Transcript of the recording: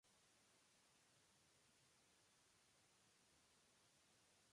Era pro–secretaria de la Secretaría Gremial.